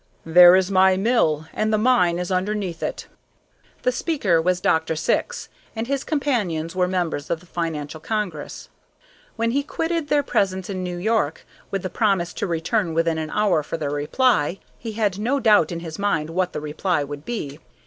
"There is my mill, and the mine is underneath it." The speaker was Dr. Syx, and his companions were members of the financial congress. When he quitted their presence in New York, with the promise to return within an hour for their reply, he had no doubt in his own mind what that reply would be.